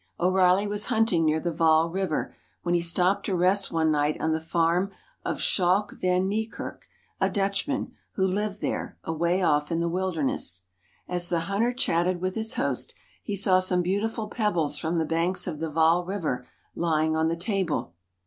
' O'Reilly was hunting near the Vaal River when he stopped to rest one night on the farm of Schalk van Niekerk, a Dutchman, who Uved there, away off in the wilderness. . As the hunter chatted with his host he saw some beautiful . L pebbles from the banks of the Vaal River lying on the Liable.